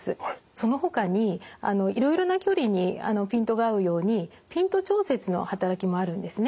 そのほかにいろいろな距離にピントが合うようにピント調節の働きもあるんですね。